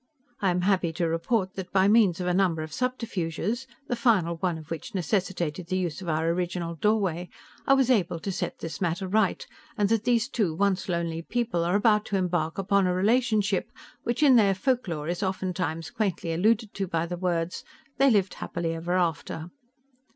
I am happy to report that, by means of a number of subterfuges the final one of which necessitated the use of our original doorway I was able to set this matter right, and that these two once lonely people are about to embark upon a relationship which in their folklore is oftentimes quaintly alluded to by the words, 'They lived happily ever after.'